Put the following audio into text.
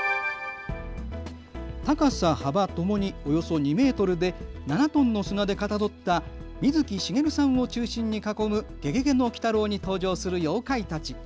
高さ、幅ともにおよそ２メートルで７トンの砂でかたどった水木しげるさんを中心に囲むゲゲゲの鬼太郎に登場する妖怪たち。